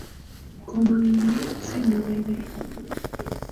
Komang’une te murere